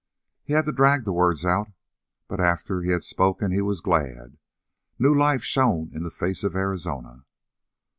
He had to drag the words out, but after he had spoken he was glad. New life shone in the face of Arizona.